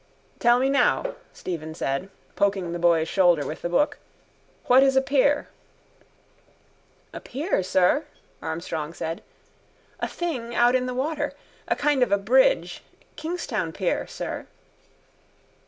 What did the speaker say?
—Tell me now, Stephen said, poking the boy's shoulder with the book, what is a pier. —A pier, sir, Armstrong said. A thing out in the water. A kind of a bridge. Kingstown pier, sir.